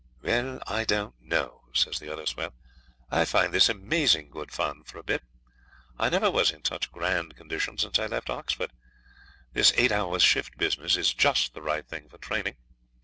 'Well, I don't know,' says the other swell. 'I find this amazing good fun for a bit. I never was in such grand condition since I left Oxford. This eight hours' shift business is just the right thing for training.